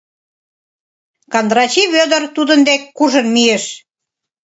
Кандрачи Вӧдыр тудын дек куржын мийыш.